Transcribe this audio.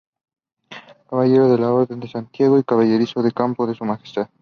Caballero de la Orden de Santiago y caballerizo de Campo de Su Majestad.